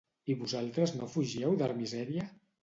I vosaltres no fugíeu de la misèria?